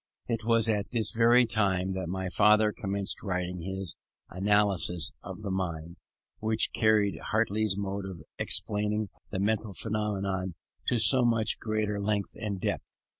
It was at this very time that my father commenced writing his Analysis of the Mind, which carried Hartley's mode of explaining the mental phenomena to so much greater length and depth.